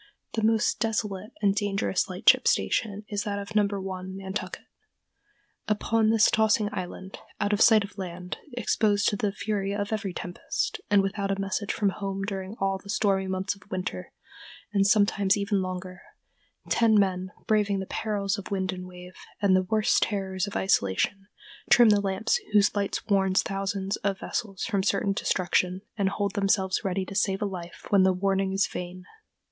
The most desolate and dangerous lightship station is that of No. 1, Nantucket. "Upon this tossing island, out of sight of land, exposed to the fury of every tempest, and without a message from home during all the stormy months of winter, and sometimes even longer, ten men, braving the perils of wind and wave, and the worse terrors of isolation, trim the lamps whose light warns thousands of vessels from certain destruction, and hold themselves ready to save life when the warning is vain."